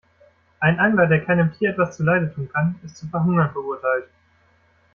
Ein Angler, der keinem Tier etwas zuleide tun kann, ist zum Verhungern verurteilt.